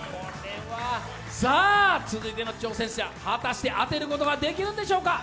続いての挑戦者、果たして当てることができるんでしょうか。